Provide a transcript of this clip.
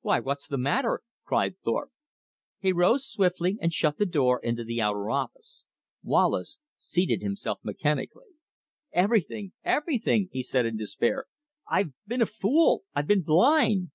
"Why, what's the matter?" cried Thorpe. He rose swiftly and shut the door into the outer office. Wallace seated himself mechanically. "Everything! everything!" he said in despair. "I've been a fool! I've been blind!"